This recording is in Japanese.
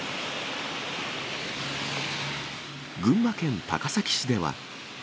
群馬県高崎市では。